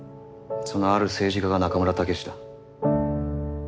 そのある政治家が仲村毅だ。